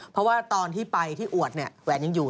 เพราะว่าตอนที่ไปที่อวดเนี่ยแหวนยังอยู่